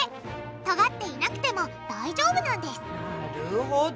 とがっていなくても大丈夫なんですなるほど。